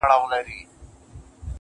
لاسو كې توري دي لاسو كي يې غمى نه دی.